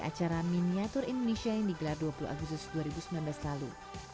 acara miniatur indonesia yang digelar dua puluh agustus dua ribu sembilan belas lalu